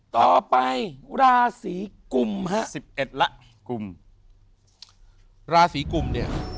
ต่อไปราศีกุมฮะสิบเอ็ดละกลุ่มราศีกุมเนี่ย